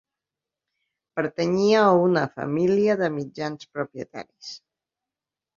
Pertanyia a una família de mitjans propietaris.